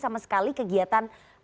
sama sekali kegiatan